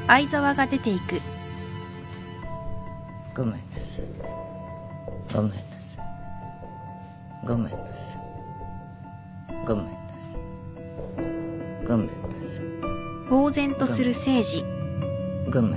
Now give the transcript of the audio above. ごめんなさいごめんなさいごめんなさいごめんなさいごめんなさいごめんなさいごめんなさい。